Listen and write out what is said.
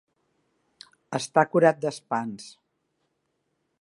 Estar curat d'espants.